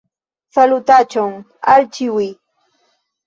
Salutaĉon al ĉiuj